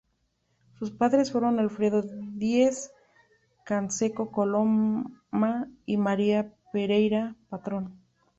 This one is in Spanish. Sus padres fueron Alfredo Diez-Canseco Coloma y María Pereyra Patrón.